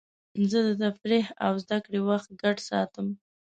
زه د تفریح او زدهکړې وخت ګډ ساتم.